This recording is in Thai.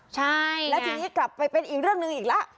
ใช่แล้วทีนี้กลับไปเป็นอีกเรื่องหนึ่งอีกแล้ว